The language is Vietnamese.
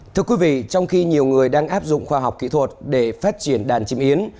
thưa quý vị trong khi nhiều người đang áp dụng khoa học kỹ thuật để phát triển đàn chim yến